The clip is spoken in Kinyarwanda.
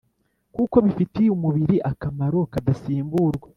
kuko bifitiye umubiri akamaro kadasimburwa.